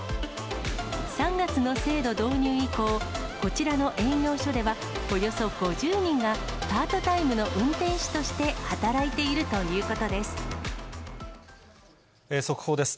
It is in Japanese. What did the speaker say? ３月の制度導入以降、こちらの営業所では、およそ５０人がパートタイムの運転手として働いているということ速報です。